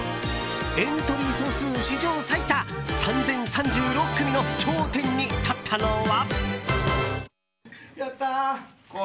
エントリー総数史上最多３０３６組の頂点に立ったのは。